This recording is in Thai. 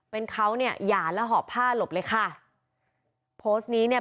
เป็นเขาเนี่ยหย่าแล้วหอบผ้าหลบเลยค่ะโพสต์นี้เนี่ย